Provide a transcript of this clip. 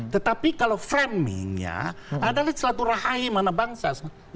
tetapi kalau framingnya adalah siratu rahim anak bangsa